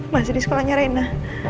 mas di sekolahnya reina